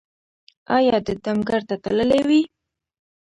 ایا د دم ګر ته تللي وئ؟